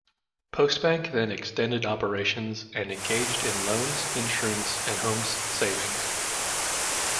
Postbank then extended operations, and engaged in loans, insurance and homes savings.